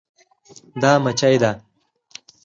دا مچي ده